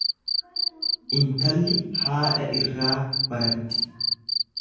Intalli haadha irraa baratti.